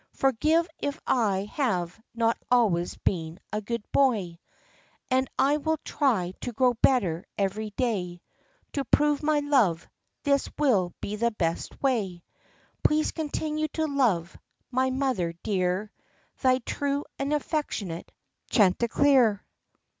Forgive, if I have not always been a good boy; And I will try to grow better every day, — To prove my love, this will be the best way. Please continue to love, my mother dear, Thy true and affectionate Chanticleer."